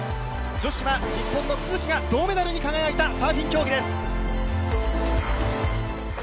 女子は日本の都筑が銅メダルに輝いたサーフィン競技です。